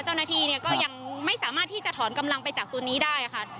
เจ้าหน้าที่เนี่ยก็ยังไม่สามารถที่จะถอนกำลังไปจากตัวนี้ได้ค่ะ